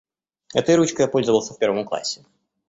Этой ручкой я пользовался в первом классе.